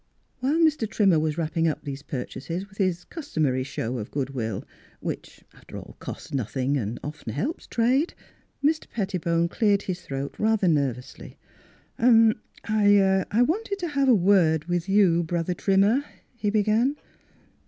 While Mr. Trimmer was wrapping up these purchases with his customary show of good will, which, after all, costs noth ing and often helps trade, Mr. Pettibone cleared his throat rather nervously. "— Er — I wanted to have a word with you, Brother Trimmer," he began.